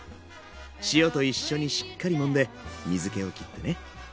塩と一緒にしっかりもんで水けをきってね。